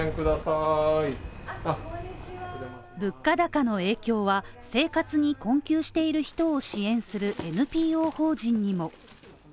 物価高の影響は、生活に困窮している人を支援するＮＰＯ法人にも。